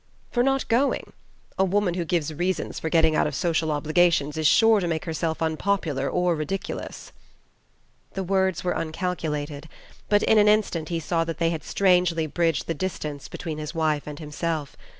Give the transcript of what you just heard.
"For not going. A woman who gives reasons for getting out of social obligations is sure to make herself unpopular or ridiculous. The words were uncalculated; but in an instant he saw that they had strangely bridged the distance between his wife and himself.